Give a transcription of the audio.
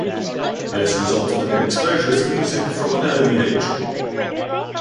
This resulted in exposure to music from an early age.